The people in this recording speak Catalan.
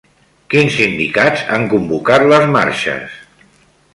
Quins sindicats han convocat les marxes?